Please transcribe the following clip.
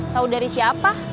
tahu dari siapa